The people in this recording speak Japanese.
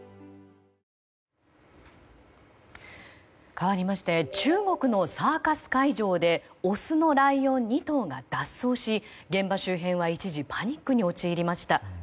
かわりまして中国のサーカス会場でオスのライオン２頭が脱走し現場周辺は一時パニックに陥りました。